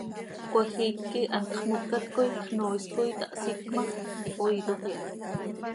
Cmajiic quih hantx mocat coi xnoois coi tahsíc ma x, oiitoj iha.